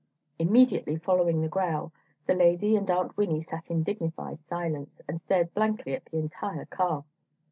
Immediately following the growl, the lady and Aunt Winnie sat in dignified silence, and stared blankly at the entire car.